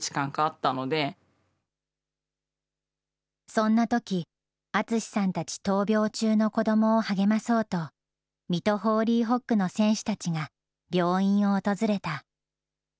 そんなとき、淳さんたち闘病中の子どもを励まそうと、水戸ホーリーホックの選手たちが病院を訪れた。